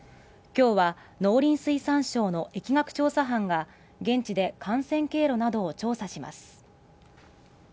今日は農林水産省の疫学調査班が現地で感染経路などを調査します